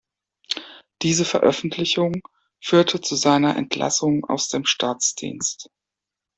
Diese Veröffentlichung führte zu seiner Entlassung aus dem Staatsdienst.